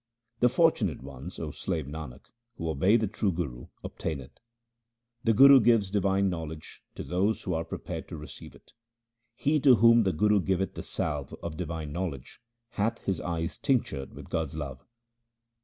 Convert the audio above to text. The fortunate ones, O slave Nanak, who obey the true Guru obtain it. The Guru gives divine knowledge to those who are prepared to receive it :— He to whom the Guru giveth the salve of divine knowledge hath his eyes tinctured with God's love.